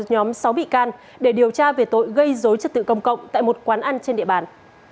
nhóm sáu bị can để điều tra về tội gây dối trật tự công cộng tại một quán ăn trên địa bàn